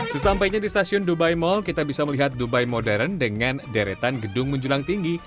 sesampainya di stasiun dubai mall kita bisa melihat dubai modern dengan deretan gedung menjulang tinggi